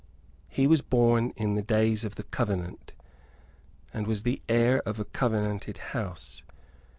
He was born in the days of the Covenant, and was the heir of a covenanted house.